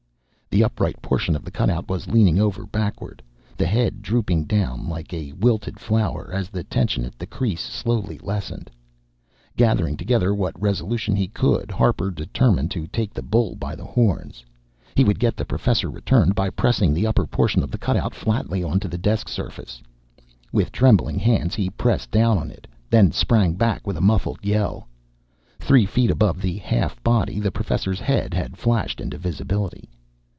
The upright portion of the cutout was leaning over backward, the head drooping down like a wilted flower, as the tension at the crease slowly lessened. Gathering together what resolution he could, Harper determined to take the bull by the horns. He would get the Professor returned by pressing the upper portion of the cutout flatly onto the desk surface. With trembling hands, he pressed down on it then sprang back with a muffled yell. Three feet above the half body, the Professor's head had flashed into visibility.